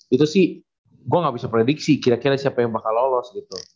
itu sih gue gak bisa prediksi kira kira siapa yang bakal lolos gitu